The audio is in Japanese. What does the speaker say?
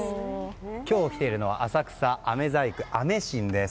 今日来ているのは浅草・飴細工アメシンです。